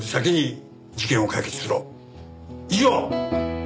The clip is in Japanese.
以上！